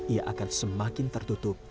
ia akan semakin tertutup